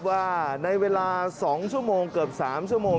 ว่าในเวลา๒ชั่วโมงเกือบ๓ชั่วโมง